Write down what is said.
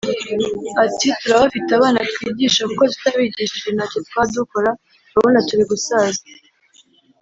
Ati “ Turabafite abana twigisha kuko tutabigishije ntacyo twaba dukora urabona turi gusaza